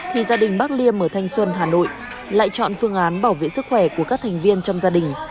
thì gia đình bác liêm ở thanh xuân hà nội lại chọn phương án bảo vệ sức khỏe của các thành viên trong gia đình